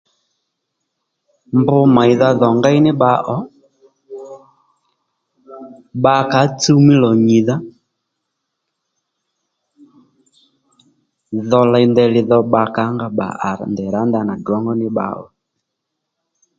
Mb mèydha dhò ngéy ní bba ò bbakǎ tsuw mí lò nyìdha dho ley ndeyli dho bbakǎ nga bbà ndèy rǎ ndanà drǒngó ní bba ò